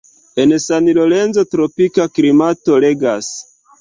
En San Lorenzo tropika klimato regas.